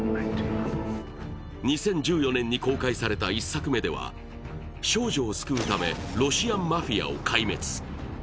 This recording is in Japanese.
２０１４年に公開された１作目では、少女を救うためロシアン・マフィアを壊滅。